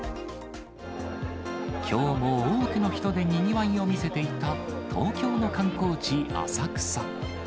きょうも多くの人でにぎわいを見せていた、東京の観光地、浅草。